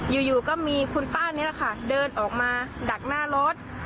อยู่ก็มีคุณป้านี่แหละค่ะเดินออกมาดักหน้ารถ